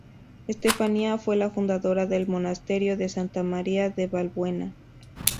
Estefanía fue la fundadora del monasterio de Santa María de Valbuena.